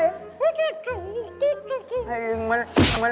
ไอ้ลิงมึงไม่